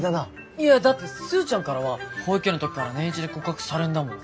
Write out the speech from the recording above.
いやだってスーちゃんからは保育園の時から年１で告白されんだもん。